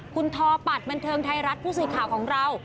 คุณทอปัดบันเทิงไทยรัฐผู้สื่อข่าวของเรา